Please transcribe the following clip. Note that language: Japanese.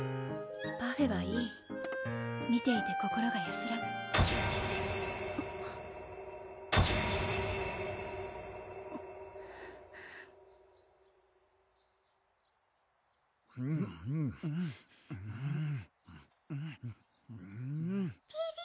パフェはいい見ていて心がやすらぐピピピ？